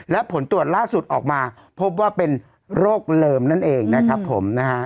และผลตรวจล่าสุดออกมาพบว่าเป็นโรคเลิมนั่นเองนะครับผมนะฮะ